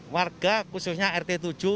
warga khususnya rt tujuh